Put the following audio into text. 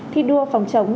thi đua phòng chống